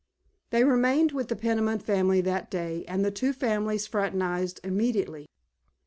They remained with the Peniman family that day, and the two families fraternized immediately.